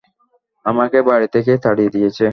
আমাকে বাড়ী থেকে তাড়িয়ে দিয়েছে।